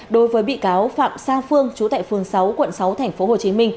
đối với bị cáo phạm sang phương chú tại phương sáu quận sáu tp hcm